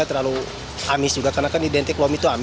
terlalu amis juga karena kan identik